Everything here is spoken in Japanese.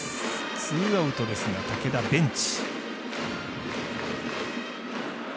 ツーアウトですが武田ベンチ。